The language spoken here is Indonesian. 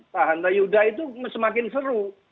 pak hanta yuda itu semakin seru